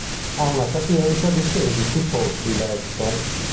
Ha una capienza di sedici posti letto.